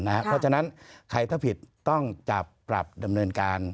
เพราะฉะนั้นใครถ้าผิดต้องจับปรับดำเนินการ